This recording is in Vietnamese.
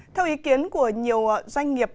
theo ý kiến của nhiều doanh nghiệp